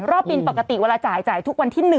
รอบบินปกติเวลาจ่ายจ่ายทุกวันที่๑